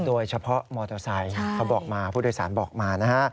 โดยเฉพาะมอเตอร์ไซค์เขาบอกมาผู้โดยสารบอกมานะฮะ